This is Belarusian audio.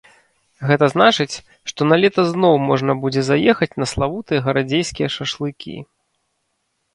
Гэта значыць, што налета зноў можна будзе заехаць на славутыя гарадзейскія шашлыкі.